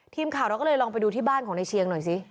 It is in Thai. ทีมข่าวเราก็เลยลองไปดูที่บ้านของในเชียงหน่อยสิ